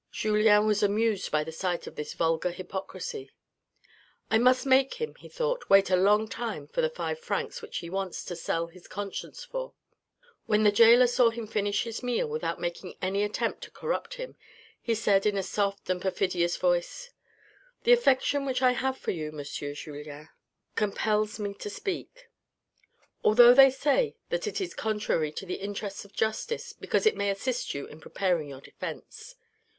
Julien was amused by the sight of this vulgar hypocrisy. I must make him, he thought, wait a long time for the five francs which he wants to sell his conscience for. When the gaoler saw him finish his meal without making any attempt to corrupt him, he said in a soft and perfidious voice :" The affection which I have for you, M. Julien, compels SAD DETAILS 469 me to speak. Although they say that it is contrary to the interests of justice, because it may assist you in preparing your defence.